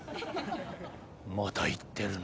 また言ってるな。